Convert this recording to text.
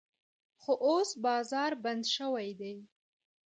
خو اوس بازار بند شوی دی.